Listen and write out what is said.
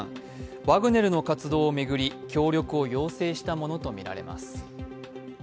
ワグネルの活動をめぐり協力を要請したものとみられます。